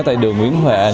tại đường nguyễn huệ